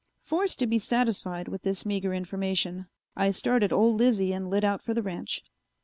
Forced to be satisfied with this meager information, I started old Lizzie and lit out for the ranch.